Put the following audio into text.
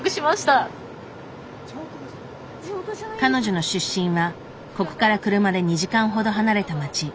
彼女の出身はここから車で２時間ほど離れた町。